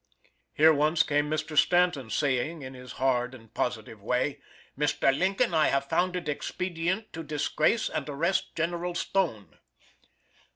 Here once came Mr. Stanton, saying in his hard and positive way: "Mr. Lincoln, I have found it expedient to disgrace and arrest General Stone."